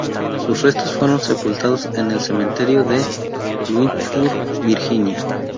Sus restos fueron sepultados en el cementerio de Lynchburg, Virginia.